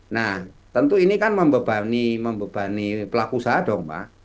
nah tentu ini kan membebani pelaku usaha dong pak